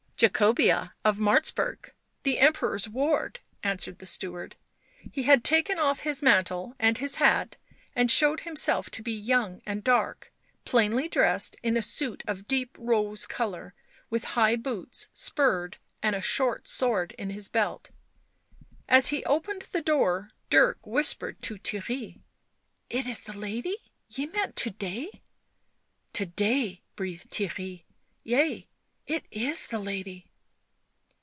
" Jacobea of Martzburg, the Emperor's ward," answered the steward. He had taken off his mantle and his hat, and showed himself to be young and dark, plainly dressed in a suit of deep rose colour, with high boots, spurred, and a short sword in his belt. As he opened the door Dirk whispered to Theirry, " It is the lady — ye met to day?" " To day !" breathed Theirry. " Yea, it is the lady."